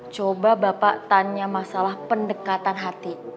coba bapak tanya masalah pendekatan hati